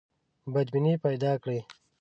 بدبیني پیدا کړي.